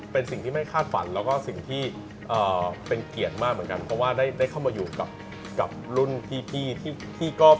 เป็นสิ่งที่ไม่คาดฝันแล้วก็สิ่งที่เป็นเกียรติมากเหมือนกันเพราะว่าได้เข้ามาอยู่กับรุ่นพี่ที่ก็